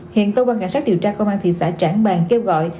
hiện công an cảnh sát điều tra công an thị xã trảng bàng kêu gọi